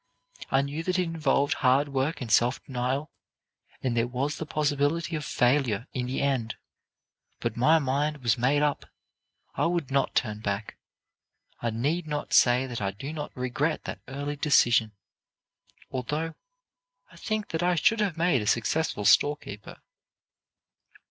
I knew that it involved hard work and self denial, and there was the possibility of failure in the end. But my mind was made up. I would not turn back. I need not say that I do not regret that early decision, although I think that I should have made a successful storekeeper.